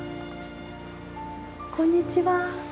こんにちは。